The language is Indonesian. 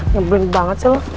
nyebleng banget sih lo